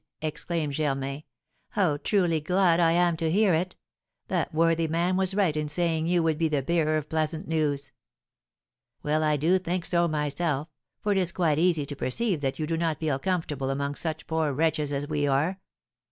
exclaimed Germain; "how truly glad I am to hear it! That worthy man was right in saying you would be the bearer of pleasant news." "Well, I do think so myself; for it is quite easy to perceive that you do not feel comfortable among such poor wretches as we are."